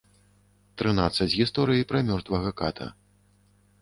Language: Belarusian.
Трынаццаць гісторый пра мёртвага ката.